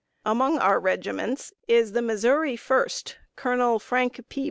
] Among our regiments is the Missouri First, Colonel Frank P.